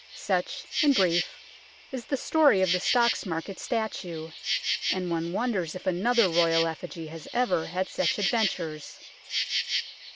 Such, in brief, is the story of the Stocks Market statue, and one wonders if another Royal effigy has ever had such adventures.